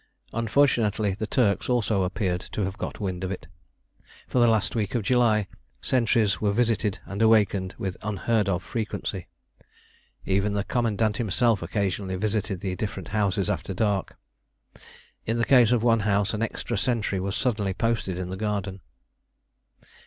Unfortunately the Turks also appeared to have got wind of it. For the last week of July, sentries were visited and awakened with unheard of frequency. Even the commandant himself occasionally visited the different houses after dark. In the case of one house, an extra sentry was suddenly posted in the garden.